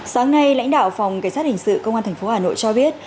sáng nay lãnh đạo phòng cảnh sát hình sự công an thành phố hà nội cho biết